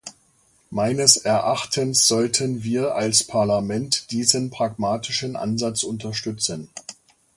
Meines Erachtens sollten wir als Parlament diesen pragmatischen Ansatz unterstützen.